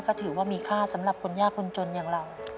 ก็ถือว่ามีค่าสำหรับคนยากคนจนอย่างเรา